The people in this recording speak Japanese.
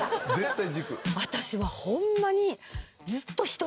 私はホンマに。